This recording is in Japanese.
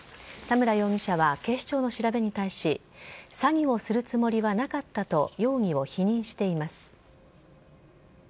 田村容疑者は警視庁の調べに対し、詐欺をするつもりはなかったと容疑を否認しています。